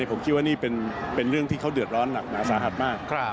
ผมคิดว่านี่เป็นเรื่องที่เขาเดือดร้อนหนักหนาสาหัสมาก